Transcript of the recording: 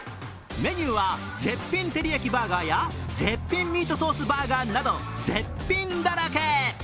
メニューは絶品てりやきバーガーや絶品ミートソースバーガーなど絶品だらけ。